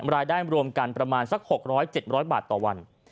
รวมกันประมาณสัก๖๐๐๗๐๐บาทต่อวัน